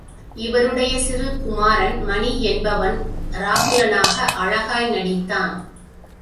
இவருடைய சிறு குமாரன் மணி என்பவன் ராகுலனாக அழகாய் நடித்தான்.